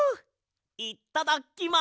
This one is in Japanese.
いっただきま。